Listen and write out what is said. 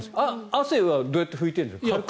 汗はどうやって拭いてるんですか？